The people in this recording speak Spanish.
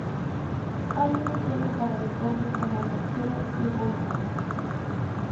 Ha sido usado para deportes como el boxeo y el voleibol.